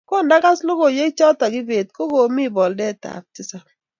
kondagas logoiywek chotok kibet ko komii poldet ab tisap